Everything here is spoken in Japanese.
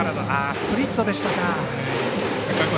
スプリットでしたか。